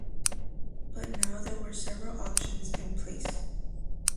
But now there were several options in place.